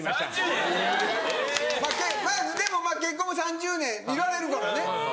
えぇ・まぁでも結婚も３０年いられるからね。